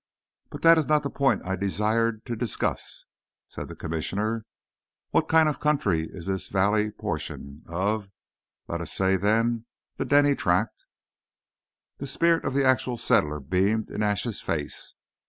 "But that is not the point I desired to discuss," said the Commissioner. "What kind of country is this valley portion of (let us say, then) the Denny tract?" The spirit of the Actual Settler beamed in Ashe's face.